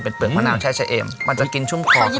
เป็นเปลือกมะนาวแช่แช่เอ็มมันจะกินชุ่มคอขยิบก่อนนะ